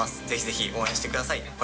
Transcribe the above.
ぜひぜひ応援してください。